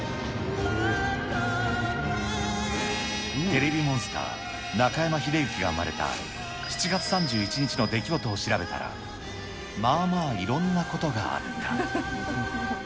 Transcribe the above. テレビモンスター、中山秀征が生まれた、７月３１日の出来事を調べたら、まあまあいろんなことがあった。